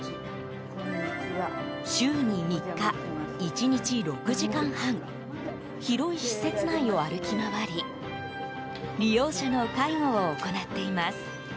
週に３日、１日６時間半広い施設内を歩き回り利用者の介護を行っています。